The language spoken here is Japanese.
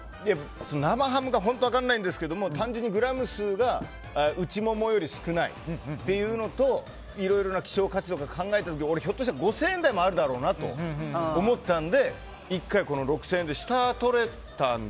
生ハムが本当に分からないんですが単純にグラム数が内モモより少ないっていうのといろいろな希少価値を考えてひょっとしたら５０００円台もあるだろうなと思ったので１回、６０００円で。